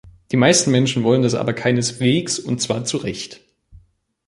Die meisten Menschen wollen das aber keineswegs, und zwar zu Recht.